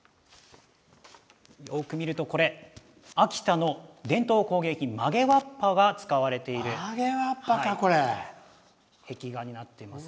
よく見ると秋田の伝統工芸品曲げわっぱが使われている壁画になっています。